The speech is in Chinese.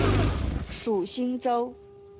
属新州。